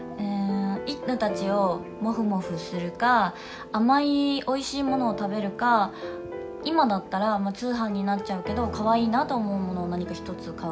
たちをもふもふするか、甘いおいしいものを食べるか、今だったら、通販になっちゃうけど、かわいいなと思うものを何か一つ買う。